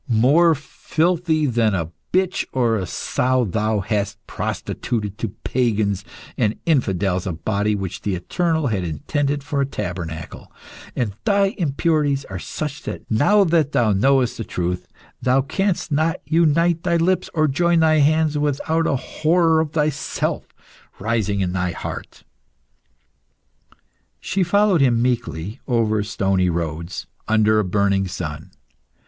"More filthy than a bitch or a sow, thou hast prostituted to pagans and infidels a body which the Eternal had intended for a tabernacle, and thy impurities are such that, now that thou knowest the truth, thou canst not unite thy lips or join thy hands without a horror of thyself rising in thy heart." She followed him meekly, over stony roads, under a burning sun.